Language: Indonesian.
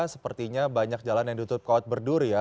sepertinya banyak jalan yang ditutup kawat berduri ya